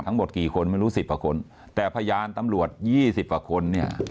ทั้งหมดกี่คนไม่รู้๑๐อักคนแต่พยานตำรวจ๒๐อักคน